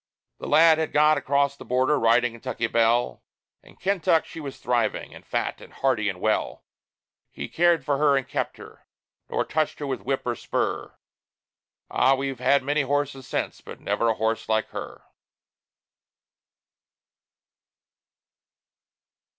The lad had got across the border, riding Kentucky Belle; And Kentuck she was thriving, and fat, and hearty, and well; He cared for her, and kept her, nor touched her with whip or spur. Ah! we've had many horses since, but never a horse like her!